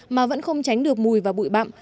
mà vẫn không tránh được mùi và bụi bặm